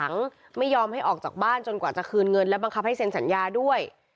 ไม่ยอมให้ออกจากบ้านจนกว่าจะคืนเงินและบังคับให้เซ็นสัญญาด้วย